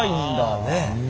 ねえ。